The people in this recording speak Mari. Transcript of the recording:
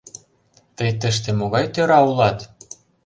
Тый тыште могай тӧра улат?